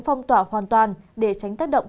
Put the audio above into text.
phong tỏa hoàn toàn để tránh tác động